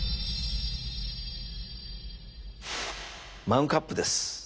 マグカップです。